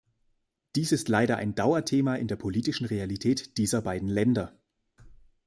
Dies ist leider ein Dauerthema in der politischen Realität dieser beiden Länder.